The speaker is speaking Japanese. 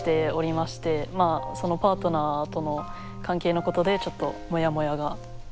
まあそのパートナーとの関係のことでちょっとモヤモヤがあります。